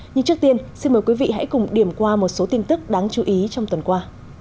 nhưng trước tiên xin mời quý vị hãy cùng điểm qua một số tin tức đáng chú ý trong tuần qua